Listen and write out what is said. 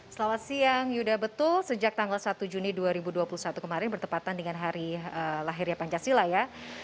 selamat siang yuda betul sejak tanggal satu juni dua ribu dua puluh satu kemarin bertepatan dengan hari lahirnya pancasila ya